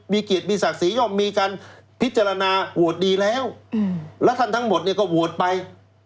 มีเกียรติมีศักดิ์ศรีย่อมมีการพิจารณาโหวตดีแล้วแล้วท่านทั้งหมดเนี่ยก็โหวตไป